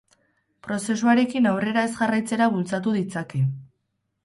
Prozesuarekin aurrera ez jarraitzera bultzatu ditzake.